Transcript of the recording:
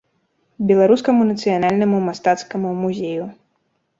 Беларускаму нацыянальнаму мастацкаму музею.